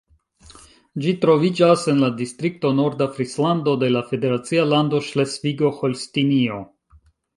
Ĝi troviĝas en la distrikto Norda Frislando de la federacia lando Ŝlesvigo-Holstinio.